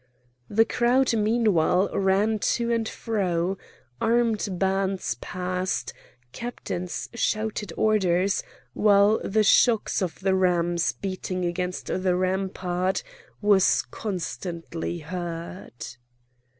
The crowd meanwhile ran to and fro; armed bands passed; captains shouted orders, while the shock of the rams beating against the rampart was constantly heard.